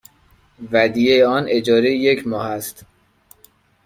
ودیعه آن اجاره یک ماه است.